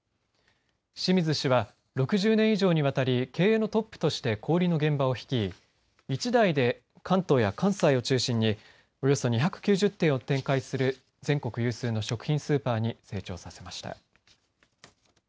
清水氏は６０年以上にわたり経営のトップとして小売りの現場を率い１代で関東や関西を中心におよそ２９０店を展開する全国有数の食品スーパーに成長させました。